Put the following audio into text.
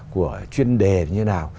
của chuyên đề như thế nào